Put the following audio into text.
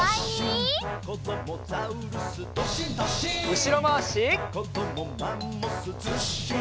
うしろまわし。